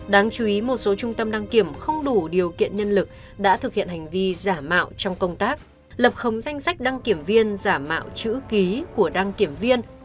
đáng chú ý một số trung tâm đăng kiểm không đủ điều kiện nhân lực đã thực hiện hành vi giả mạo trong công tác lập khống danh sách đăng kiểm viên giả mạo chữ ký của đăng kiểm viên